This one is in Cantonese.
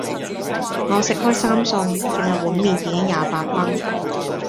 我食開三餸,淨係碗麵已經廿八蚊